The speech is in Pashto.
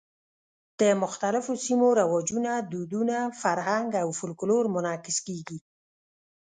د مختلفو سیمو رواجونه، دودونه، فرهنګ او فولکلور منعکس کېږي.